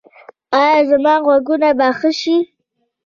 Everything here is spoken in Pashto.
ایا زما غوږونه به ښه شي؟